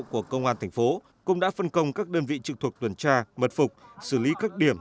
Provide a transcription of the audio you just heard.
của công an thành phố cũng đã phân công các đơn vị trực thuộc tuần tra mật phục xử lý các điểm